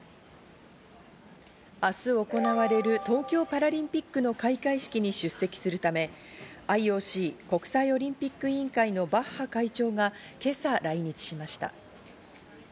明日行われる東京パラリンピックの開会式に出席するため、ＩＯＣ＝国際オリンピック委員会のバッハ会長が今朝来日しました。